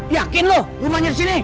yakin loh rumahnya di sini